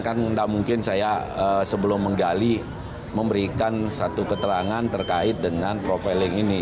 kan tidak mungkin saya sebelum menggali memberikan satu keterangan terkait dengan profiling ini